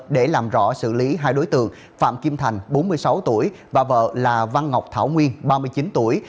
để làm rõ xử lý hai đối tượng phạm kim thành bốn mươi sáu tuổi và vợ là văn ngọc thảo nguyên ba mươi chín tuổi